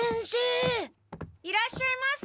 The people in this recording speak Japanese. いらっしゃいますか？